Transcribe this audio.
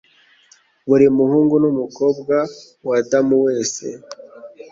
Buri muhungu n'umukobwa w'Adamu wese